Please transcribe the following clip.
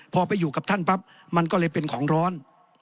พอไปอยู่กับท่านปั๊บมันก็เลยเป็นของร้อน